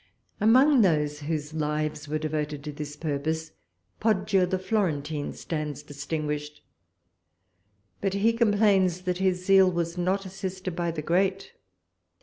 Among those whose lives were devoted to this purpose, Poggio the Florentine stands distinguished; but he complains that his zeal was not assisted by the great.